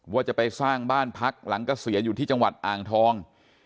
ว่าจะไปสร้างบ้านพักหลังเกษียณอยู่ที่จังหวัดอ่างทอง